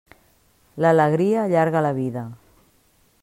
L'alegria allarga la vida.